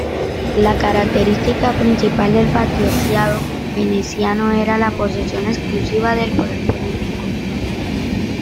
La característica principal del patriciado veneciano era la posesión exclusiva del poder político.